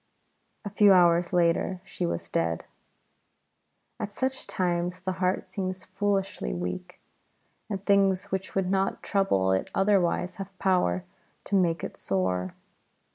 A few hours later she was dead. At such times the heart seems foolishly weak, and things which would not trouble it otherwise have power to make it sore.